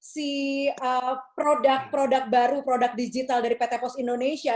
si produk produk baru produk digital dari pt pos indonesia